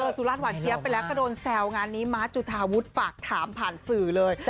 สุราชหวานเจี๊ยบไปแล้วก็โดนแซวงานนี้มาร์ทจุธาวุฒิฝากถามผ่านสื่อเลย